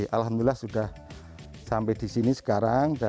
alhamdulillah sudah sampai di sini sekarang